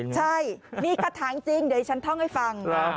ใช่นี่กระถางจริงเดี๋ยวฉันท่องให้ฟัง